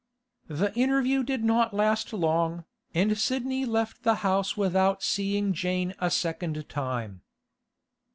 The interview did not last long, and Sidney left the house without seeing Jane a second time.